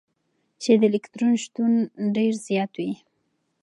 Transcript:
چي د الکترون شتون ډېر زيات وي.